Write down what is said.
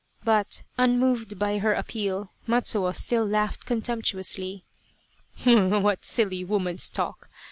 But, unmoved by her appeal, Matsuo still laughed contemptuously. " What silly woman's talk